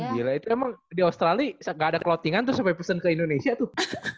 gila itu emang di australia gak ada clottingan terus sampai pesen ke indonesia tuh